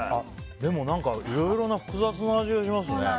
でも何かいろいろ複雑な味がしますね。